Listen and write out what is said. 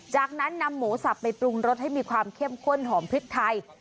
จากนั้นนำหมูสับไปปรุงรสให้มีความเข้มข้นหอมพริกไทย